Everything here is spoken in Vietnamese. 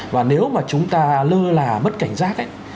và nếu mà chúng ta lơ là mất cảnh giác ấy